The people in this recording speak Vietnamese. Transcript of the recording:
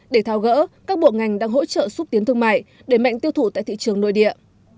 để thao gỡ các bộ ngành đang hỗ trợ xúc tiến thương mại để mạnh tiêu thụ tại thị trường nội địa